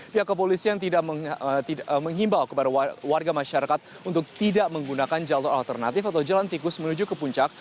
pihak kepolisian tidak menghimbau kepada warga masyarakat untuk tidak menggunakan jalur alternatif atau jalan tikus menuju ke puncak